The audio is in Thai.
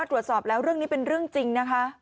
ตรวจสอบแล้วเรื่องนี้เป็นเรื่องจริงนะคะ